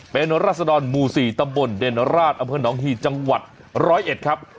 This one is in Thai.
เป็นระษดรมุศีตำบลเดรินราชอเภิลหนองหี่จังหวัดร้อยเอ็ดครับ